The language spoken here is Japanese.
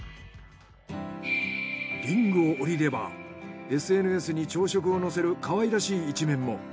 リングを降りればＳＮＳに朝食を載せるかわいらしい一面も。